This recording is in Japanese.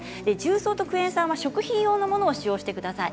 重曹とクエン酸は食品用のものを使用してください。